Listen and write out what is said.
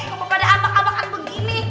kok pada ambak ambakan begini